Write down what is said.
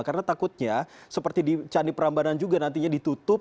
karena takutnya seperti di candi perambanan juga nantinya ditutup